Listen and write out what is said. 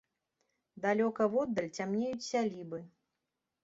Далёка воддаль цямнеюць сялібы.